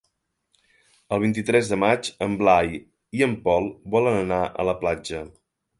El vint-i-tres de maig en Blai i en Pol volen anar a la platja.